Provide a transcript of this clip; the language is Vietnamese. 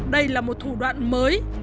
đây là một thủ đoạn mới